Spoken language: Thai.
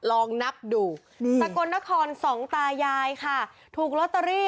ลองนับดูสกลนครสองตายายค่ะถูกลอตเตอรี่